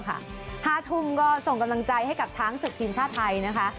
ห้าทุ่มก็ส่งกำลังใจให้กับช้างศึกทีมชาติไทยนะคะ